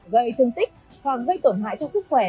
gây thương tích hoặc gây tổn hại cho sức khỏe